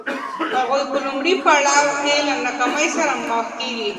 هغوی په لومړي پړاو کې له ناکامۍ سره مخ کېږي.